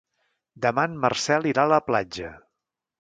Demà en Marcel irà a la platja.